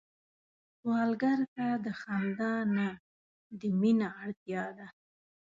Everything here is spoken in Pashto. سوالګر ته د خندا نه، د مينه اړتيا ده